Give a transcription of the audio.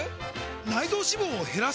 内臓脂肪を減らす！？